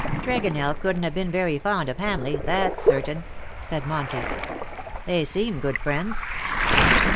*^Tregonell couldn't have been very fond of Hamleigh, that's certain," said Monty. ^^ They seemed good friends."